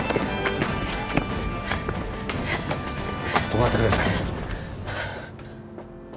止まってください。